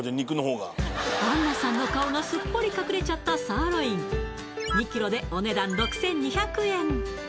杏奈さんの顔がすっぽり隠れちゃったサーロイン２ｋｇでお値段６２００円